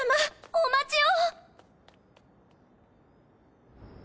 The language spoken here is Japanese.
お待ちを！